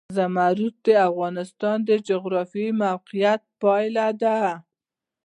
زمرد د افغانستان د جغرافیایي موقیعت پایله ده.